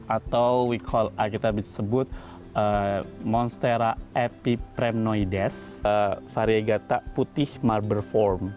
atau kita sebut monstera epipremnoides variegata putih marber form